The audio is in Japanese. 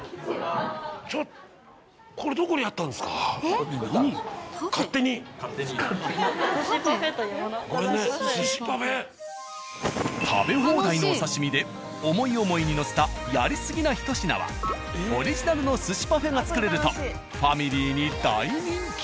ちょっと食べ放題のお刺身で思い思いにのせたやりすぎなひと品はオリジナルの寿司パフェが作れるとファミリーに大人気。